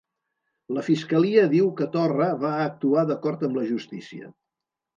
La fiscalia diu que Torra va actuar d'acord amb la justícia